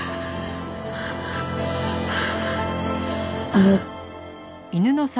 あの。